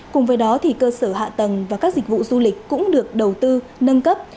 cùng với đó cơ sở hạ tầng và các dịch vụ du lịch cũng được đầu tư nâng cấp